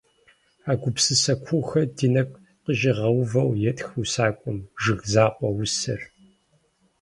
А гупсысэ куухэр ди нэгу къыщӀигъэувэу етх усакӀуэм, «Жыг закъуэ» усэр.